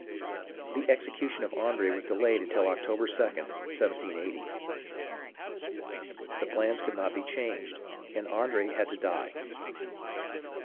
The execution of Andre was delayed until October 2d, 1780. The plans could not be changed, and Andre had to die.